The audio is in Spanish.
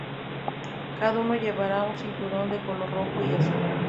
Cada uno llevará un cinturón de color rojo y azul.